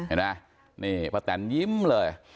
เห็นไหมประแตนยิ้มเลย